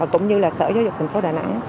cũng như sở giáo dục tp đà nẵng